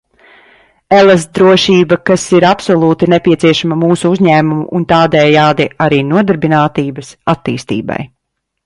Elastdrošība, kas ir absolūti nepieciešama mūsu uzņēmumu un tādējādi arī nodarbinātības attīstībai.